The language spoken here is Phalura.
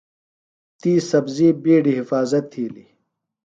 تی سبزی بِیڈیۡ حفاظت تِھیلیۡ۔